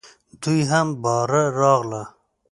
دوی هم باره راغله .